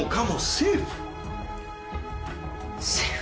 セーフ。